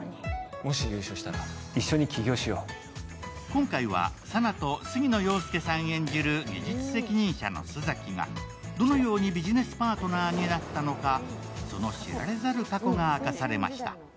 今回は佐奈と杉野遥亮さん演じる技術責任者の須崎がどのようにビジネスパートナーになったのかその知られざる過去が明かされました。